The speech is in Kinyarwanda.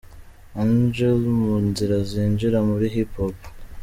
Angel mu nzira zinjira muri Hip Hop….